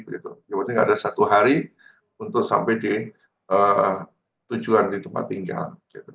yang penting ada satu hari untuk sampai di tujuan di tempat tinggal